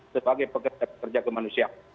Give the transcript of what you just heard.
sebagai pekerja pekerja kemanusiaan